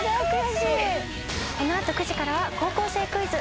この後９時からは『高校生クイズ』。